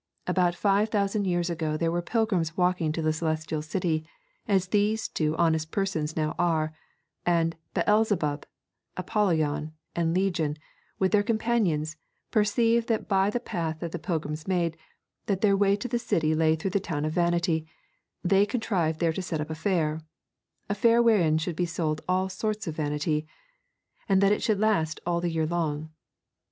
About five thousand years ago there were pilgrims walking to the Celestial City, as these two honest persons now are, and Beelzebub, Apollyon, and Legion, with their companions, perceiving that by the path that the pilgrims made, that their way to the city lay through this town of Vanity, they contrived there to set up a fair: a fair wherein should be sold all sorts of vanity, and that it should last all the year long.